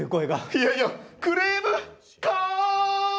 いやいやクレームかい！